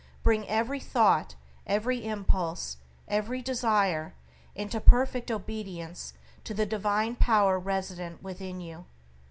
Bring every thought, every impulse, every desire into perfect obedience to the divine power resident within you.